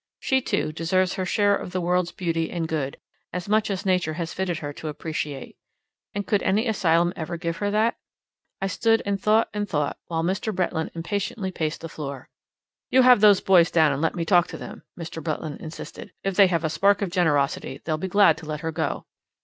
She, too, deserves her share of the world's beauty and good as much as nature has fitted her to appreciate. And could any asylum ever give her that? I stood and thought and thought while Mr. Bretland impatiently paced the floor. "You have those boys down and let me talk to them," Mr. Bretland insisted. "If they have a spark of generosity, they'll be glad to let her go."